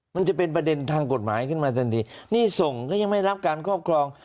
มันจะเป็นประเด็นทางกฎหมายขึ้นมาทันทีนี่ส่งก็ยังไม่รับการครอบครอง